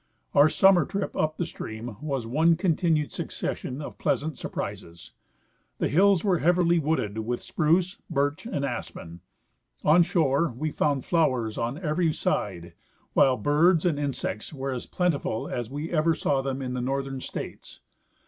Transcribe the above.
Our summer trip up the stream Avas one continued succession of pleasant surprises. The hills were heavily Avooded Avith spruce, birch and aspen ; on shore we found floAvers on every side, Avhile birds and insects Avere as plentiful as Ave ever saAV them in the northern states.